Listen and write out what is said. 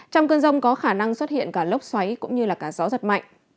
trong cơn rông có khả năng xuất hiện cả lốc xoáy cũng như cả gió giật mạnh